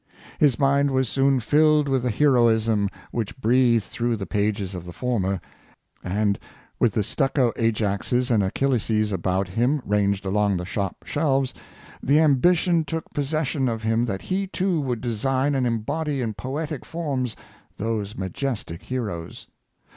His mind was soon filled with the heroism which breathed through the pages of the former, and, with the stucco Ajaxes and Achilleses about him, ranged along the shop shelves, the ambition took pos session of him that he, too, would design and embody in poetic forms those majestic heroes.